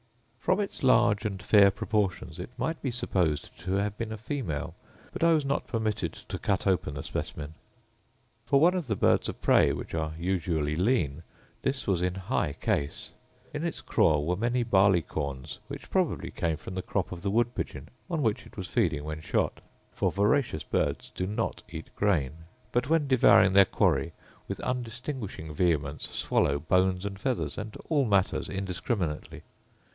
From its large and fair proportions it might be supposed to have been a female; but I was not permitted to cut open the specimen. For one of the birds of prey, which are usually lean, this was in high case: in its craw were many barley corns, which probably came from the crop of the wood pigeon, on which it was feeding when shot: for voracious birds do not eat grain; but when devouring their quarry, with undistinguishing vehemence swallow bones and feathers, and all matters, indiscriminately.